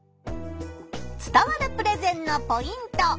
伝わるプレゼンのポイント。